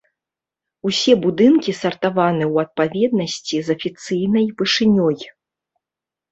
Усе будынкі сартаваны ў адпаведнасці з афіцыйнай вышынёй.